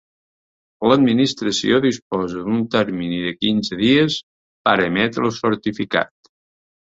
L'Administració disposa d'un termini de quinze dies per emetre el certificat.